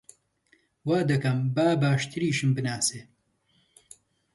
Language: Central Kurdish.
وا دەکەم باشتریشم بناسی!